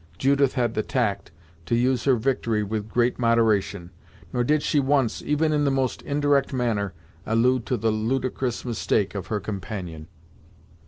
Judith had the tact to use her victory with great moderation, nor did she once, even in the most indirect manner, allude to the ludicrous mistake of her companion.